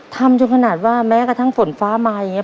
ทำจนขนาดว่าแม้กระทั่งฝนฟ้ามาอย่างนี้